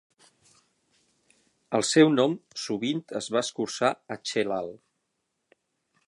El seu nom sovint es va escurçar a "Chelal".